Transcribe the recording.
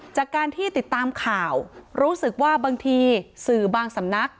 จากการที่ติดตามข่าวรู้สึกว่าบางทีสื่อบางสำนัก